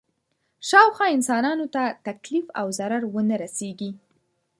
شاوخوا انسانانو ته تکلیف او ضرر ونه رسېږي.